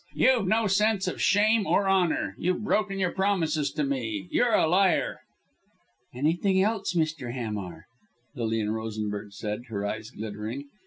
You've no sense of shame or honour you've broken your promises to me you're a liar!" "Anything else Mr. Hamar!" Lilian Rosenberg said, her eyes glittering.